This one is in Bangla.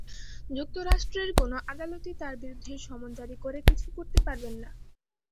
যুক্তরাষ্ট্রের কোনো আদালতই তাঁর বিরুদ্ধে সমন জারি করে কিছু করতে পারবেন না।